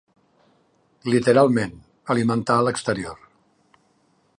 Literalment, alimentar a l'exterior.